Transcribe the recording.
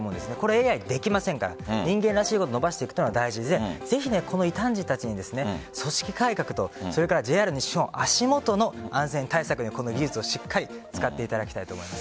ＡＩはできませんから人間らしいことを伸ばしていくのが大事でぜひ、異端児たちに組織改革とＪＲ西日本の足元の安全対策の技術をしっかり使っていただきたいと思います。